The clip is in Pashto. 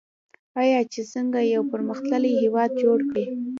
آیا چې څنګه یو پرمختللی هیواد جوړ کړي؟